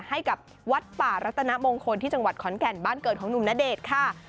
ให้กับวัดป่ารัตนมงคลที่จังหวัดขอนแก่นบ้านเกิดของหนุ่มณเดชน์ค่ะ